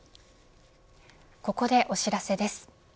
ここでお知らせです。